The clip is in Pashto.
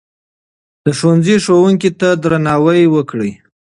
د ښوونځي ښوونکو ته درناوی وکړئ.